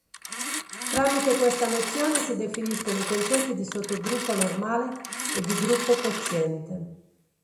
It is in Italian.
Tramite questa nozione si definiscono i concetti di sottogruppo normale e di gruppo quoziente.